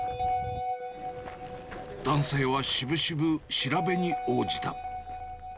男性はしぶしぶ、調べに応じた。